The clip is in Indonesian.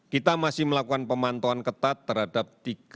kita masih melakukan pemantauan ketat terhadap